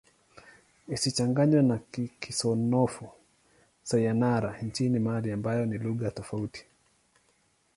Isichanganywe na Kisenoufo-Syenara nchini Mali ambayo ni lugha tofauti.